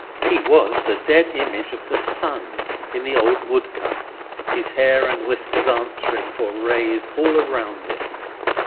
He was the dead image of the sun in old woodcuts, his hair and whiskers answering for rays all around him.